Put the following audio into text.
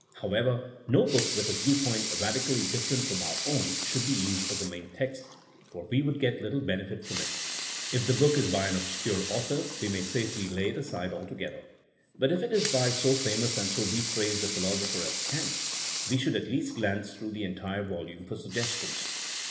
However, no book with a view point radically different from our own should be used as a main text, for we would get little benefit from it. If the book is by an obscure author we may safely lay it aside altogether. But if it is by so famous aud so bepraised a philosopher as Kant we should at least glance through the entire volume for suggestions.